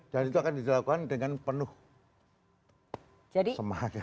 dan itu akan dilakukan dengan penuh semangat